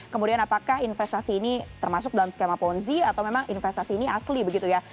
kemudian apakah investasi ini termasuk dalam skema ponzi atau memang investasi ini asli begitu ya